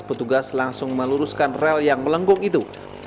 petugas langsung meluruskan rel yang melengkung itu